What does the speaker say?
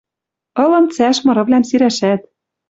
Ылын цӓш мырывлӓм сирӓшӓт.